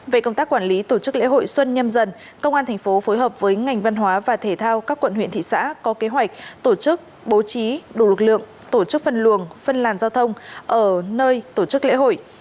về công tác quản lý tổ chức lễ hội xuân nhâm dần công an thành phố phối hợp với ngành văn hóa và thể thao các quận huyện thị xã có kế hoạch tổ chức bố trí đủ lực lượng tổ chức phân luồng phân làn giao thông ở nơi tổ chức lễ hội